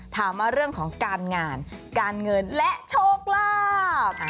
ถามว่าเรื่องของการงานการเงินและโชคลาภ